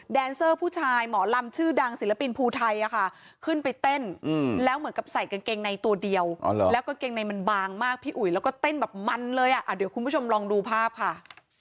เซอร์ผู้ชายหมอลำชื่อดังศิลปินภูไทยค่ะขึ้นไปเต้นแล้วเหมือนกับใส่กางเกงในตัวเดียวแล้วกางเกงในมันบางมากพี่อุ๋ยแล้วก็เต้นแบบมันเลยอ่ะเดี๋ยวคุณผู้ชมลองดูภาพค่ะ